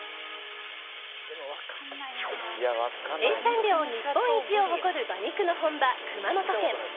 生産量日本一を誇る馬肉の本場・熊本県。